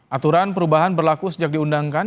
aturan perubahan berlaku sejak diundangkan